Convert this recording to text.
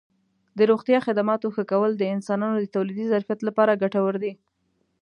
د روغتیا خدماتو ښه کول د انسانانو د تولیدي ظرفیت لپاره ګټور دي.